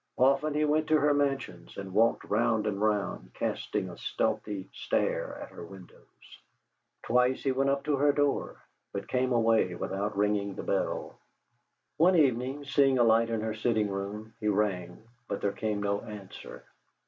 Often he went to her Mansions, and walked round and round casting a stealthy stare at her windows. Twice he went up to her door, but came away without ringing the bell. One evening, seeing a light in her sitting room, he rang, but there came no answer.